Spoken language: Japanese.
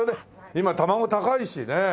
今卵高いしね。